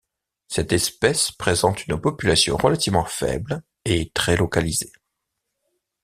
Cette espèce présente une population relativement faible et très localisée.